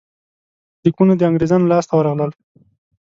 لیکونه د انګرېزانو لاسته ورغلل.